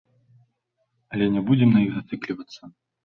Але не будзем на іх зацыклівацца.